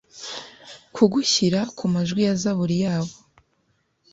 Kugushyira kumajwi ya zaburi yabo